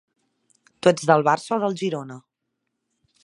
Tu ets del Barça o del Girona?